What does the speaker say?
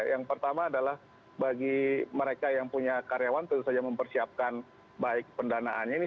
yang pertama adalah bagi mereka yang punya karyawan tentu saja mempersiapkan baik pendanaannya ini